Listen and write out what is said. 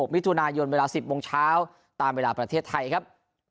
มิถุนายนเวลา๑๐โมงเช้าตามเวลาประเทศไทยครับ